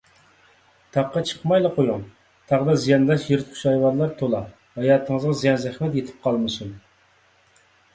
تاغقا چىقمايلا قويۇڭ، تاغدا زىيانداش يىرتقۇچ ھايۋانلار تولا، ھاياتىڭىزغا زىيان - زەخمەت يېتىپ قالمىسۇن.